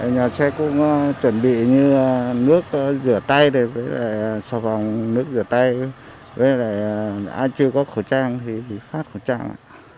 nhà xe cũng chuẩn bị như nước rửa tay sò vòng nước rửa tay ai chưa có khẩu trang thì phải phát khẩu trang